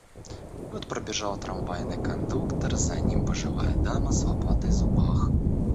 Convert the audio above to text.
Вот пробежал трамвайный кондуктор, за ним пожилая дама с лопатой в зубах.